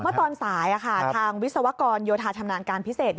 เมื่อตอนสายทางวิศวกรโยธาชำนาญการพิเศษ